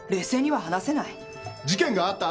事件があった